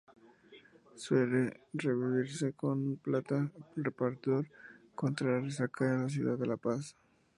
Suele servirse como plata reparador contra la resaca en la ciudad de La Paz.